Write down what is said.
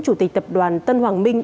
chủ tịch tập đoàn tân hoàng minh